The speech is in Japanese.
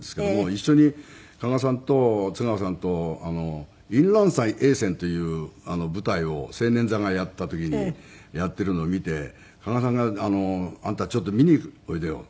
一緒に加賀さんと津川さんと『淫乱斎英泉』という舞台を青年座がやった時にやってるのを見て加賀さんが「あんたちょっと見においでよ」